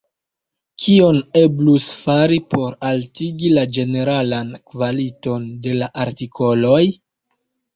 Kion eblus fari por altigi la ĝeneralan kvaliton de la artikoloj?